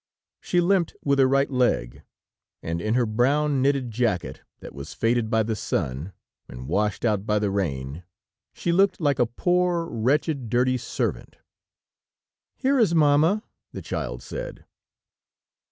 She limped with her right leg, and in her brown, knitted jacket, that was faded by the sun, and washed out by the rain, she looked like a poor, wretched, dirty servant. "Here is Mamma," the child said.